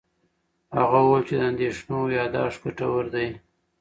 هغه وویل چې د اندېښنو یاداښت ګټور دی.